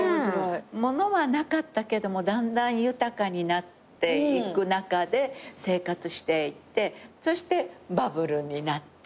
物はなかったけどもだんだん豊かになっていく中で生活していってそしてバブルになってっていう。